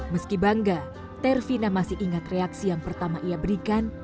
meski bangga tervina masih ingat reaksi yang pertama ia berikan